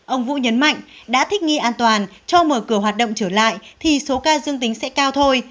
ông vũ nhấn mạnh đã thích nghi an toàn cho mở cửa hoạt động trở lại thì số ca dương tính sẽ cao thôi